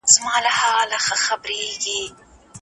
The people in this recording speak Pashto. ایا سبا به رښتیا هم حالات ښه شي؟